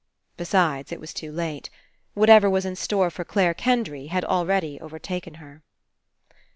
Besides, it was too late. Whatever was in store for Clare Kendry had already overtaken her.